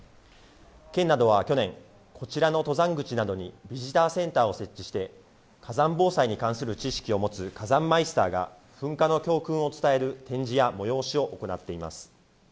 県などは去年、こちらの登山口などにビジターセンターを設置して、火山防災に関する知識を持つ火山マイスターが、噴火の教訓を伝える展示や催しを行っています。